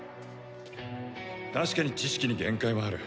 確かに知識に限界はある。